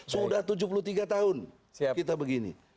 sudah tujuh puluh tiga tahun kita begini